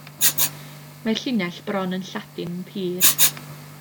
Mae'r llinell bron yn Lladin pur.